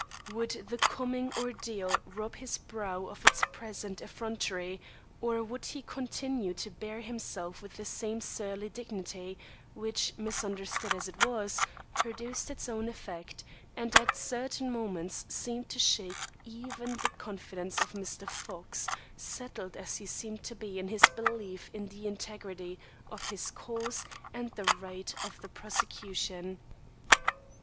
Would the coming ordeal rob his brow of its present effrontery, or would he continue to bear himself with the same surly dignity, which, misunderstood as it was, produced its own effect, and at certain moments seemed to shake even the confidence of Mr. Fox, settled as he seemed to be in his belief in the integrity of his cause and the rights of the prosecution.